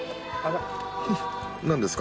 何ですか？